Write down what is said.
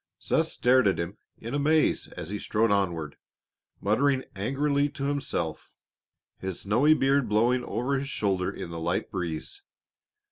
Seth stared at him in amaze as he strode onward, muttering angrily to himself, his snowy beard blowing over his shoulder in the light breeze.